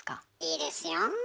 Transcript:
いいですよ。